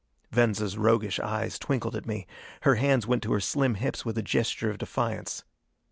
Venza's roguish eyes twinkled at me. Her hands went to her slim hips with a gesture of defiance.